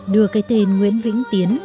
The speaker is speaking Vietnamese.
đưa cái tên nguyễn vĩnh tiến